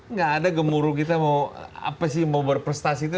nggak ada gemuruh kita mau apa sih mau berprestasi itu